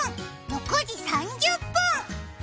６時３０分！